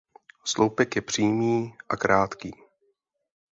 Sloupek je přímý a krátký.